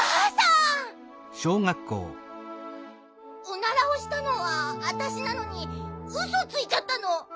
オナラをしたのはあたしなのにウソついちゃったの。